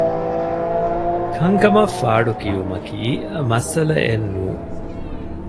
ކަންކަމަށް ފާޑު ކިއުމަކީ މައްސަލައެއް ނޫން